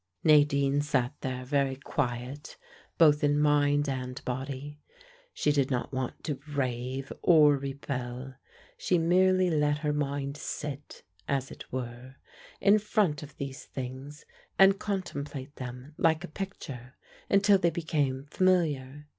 Nadine sat there very quiet both in mind and body. She did not want to rave or rebel, she merely let her mind sit, as it were, in front of these things, and contemplate them, like a picture, until they became familiar.